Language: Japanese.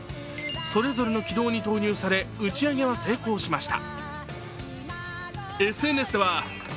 それぞれの軌道に投入され、打ち上げは成功しました。